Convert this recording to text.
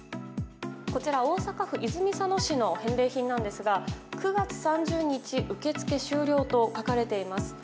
こちら大阪府泉佐野市の返礼品なんですが９月３０日受け付け終了と書かれています。